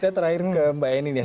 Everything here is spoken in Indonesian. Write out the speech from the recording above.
saya terakhir ke mbak eny nih ya